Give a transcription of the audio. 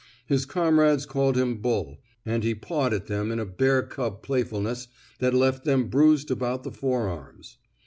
His comrades called him ^' Bull," and he pawed at them in a bear cub playfulness that left them bruised about the forearms.